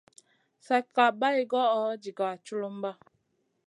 Slèkka bày goyo diga culumba.